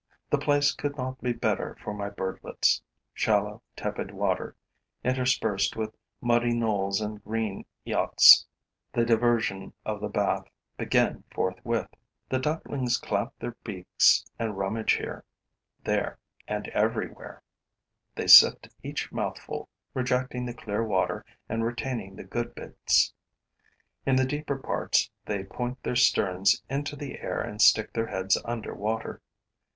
The place could not be better for my birdlets; shallow, tepid water, interspersed with muddy knolls and green eyots. The diversions of the bath begin forthwith. The ducklings clap their beaks and rummage here, there and everywhere; they sift each mouthful, rejecting the clear water and retaining the good bits. In the deeper parts, they point their sterns into the air and stick their heads under water.